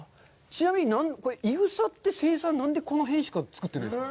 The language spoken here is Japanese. いぐさって生産、何でこの辺しか作ってないんですか？